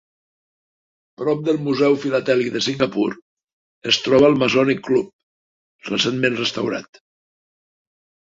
Prop del Museu Filatèlic de Singapur es troba el Masonic Club, recentment restaurat.